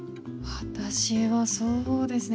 私はそうですね